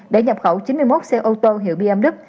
để nhập khẩu chín mươi một xe ô tô hiệu bmw